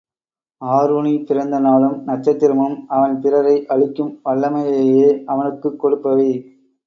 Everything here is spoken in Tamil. ஆருணி பிறந்த நாளும் நட்சத்திரமும் அவன் பிறரை அழிக்கும் வல்லமையையே அவனுக்குக் கொடுப்பவை.